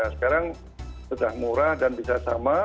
sekarang sudah murah dan bisa sama